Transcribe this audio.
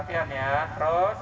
apanya cukup latihan ya